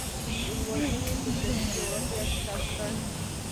د هېواد نوم یې په سیاسي جغرافیه کې ثبت کړ.